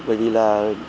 bởi vì là